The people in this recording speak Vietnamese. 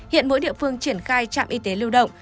hiện mỗi địa phương triển khai trạm y tế lưu động